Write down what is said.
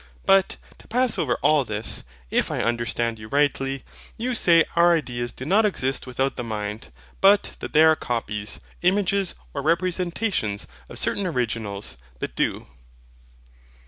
But, to pass over all this; if I understand you rightly, you say our ideas do not exist without the mind, but that they are copies, images, or representations, of certain originals that do?